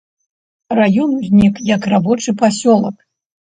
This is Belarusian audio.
Раён узнік як рабочы пасёлак.